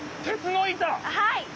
はい！